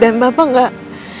dan papa gak